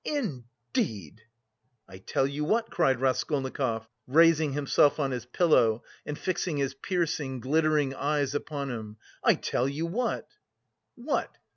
indeed..." "I tell you what," cried Raskolnikov, raising himself on his pillow and fixing his piercing, glittering eyes upon him, "I tell you what." "What?"